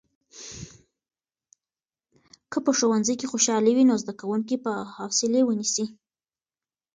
که په ښوونځي کې خوشالي وي، نو زده کوونکي به حوصلې ونیسي.